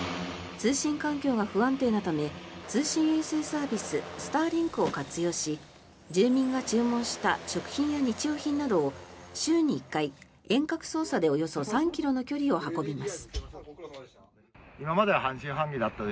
通信環境が不安定なため通信衛星サービススターリンクを活用し住民が注文した食品や日用品などを週に１回、遠隔操作でおよそ３ｋｍの距離を運びます。